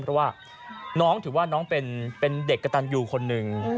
เพราะว่าน้องถือว่าน้องเป็นเด็กกระตันอยู่คนหนึ่ง